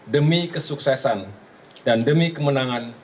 demi kesuksesan dan demi kemenangan